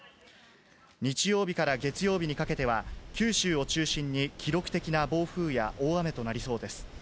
日曜日から月曜日にかけては、九州を中心に記録的な暴風や大雨となりそうです。